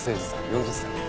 ４０歳。